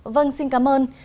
vâng xin cảm ơn